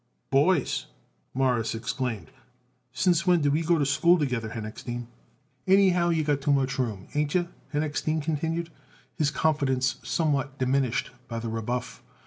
"Boys!" Morris exclaimed. "Since when did we go to school together, Henochstein?" "Anyhow, you got too much room, ain't yer?" Henochstein continued, his confidence somewhat diminished by the rebuff.